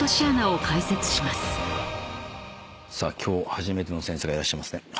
今日初めての先生がいらっしゃいますね。